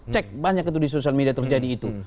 cek banyak itu di sosial media terjadi itu